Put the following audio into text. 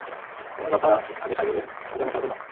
উনার কথায় আগে সায় দিলে হয়তো এমনটা হতোও না!